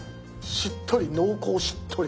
しっとり濃厚しっとり。